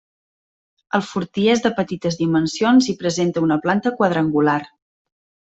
El fortí és de petites dimensions i presenta una planta quadrangular.